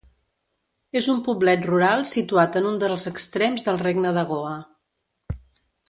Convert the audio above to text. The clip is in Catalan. És un poblet rural situat en un dels extrems del Regne de Goa.